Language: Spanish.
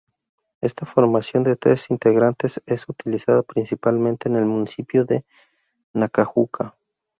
Esta formación de tres integrantes es utilizada principalmente en el municipio de Nacajuca.